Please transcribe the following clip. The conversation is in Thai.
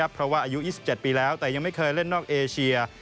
เพราะว่าอายุ๒๗ปีแล้วแต่ยังไม่เคยเล่นนอกเอเชีย